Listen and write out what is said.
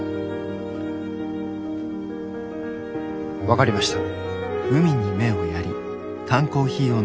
分かりました。